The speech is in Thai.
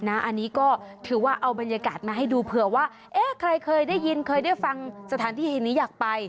อันนี้ก็ถือว่าเอาบรรยากาศมาให้ดูเผื่อว่าเอ๊ะใครเคยได้ยินเคยได้ฟังสถานที่แห่งนี้อยากไป